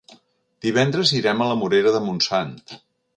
Divendres irem a la Morera de Montsant.